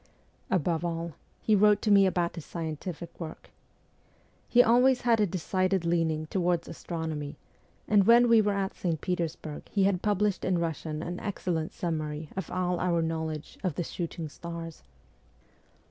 Above all he wrote to me about his scientific work. He always had a decided leaning towards astronomy, and when we were at St. Petersburg he had published in Eussian an excellent summary of all our knowledge of the shooting stars.